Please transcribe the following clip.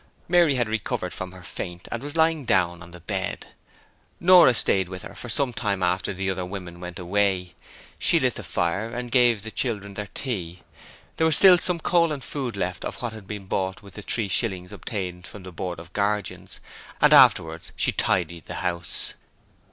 Mary had recovered from her faint and was lying down on the bed. Nora stayed with her for some time after the other women went away. She lit the fire and gave the children their tea there was still some coal and food left of what had been bought with the three shillings obtained from the Board of Guardians and afterwards she tidied the house.